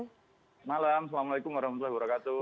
selamat malam assalamualaikum wr wb